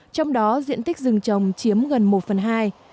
trong đó diện tích rừng trồng chiếm gần một phần hai